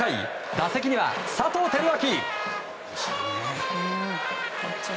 打席には、佐藤輝明。